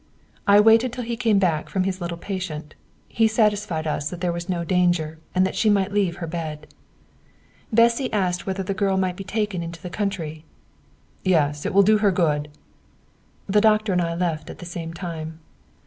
I waited till he came back from his little patient. He satisfied us that there was now no danger, and she might leave her bed. Bessy asked whether the girl might be taken into the country. "Yes, it will do her good." The doctor and I left at the same time.